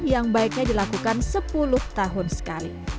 yang baiknya dilakukan sepuluh tahun sekali